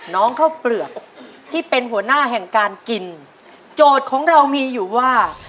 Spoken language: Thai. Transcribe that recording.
ข้าวเปลือกที่เป็นหัวหน้าแห่งการกินโจทย์ของเรามีอยู่ว่า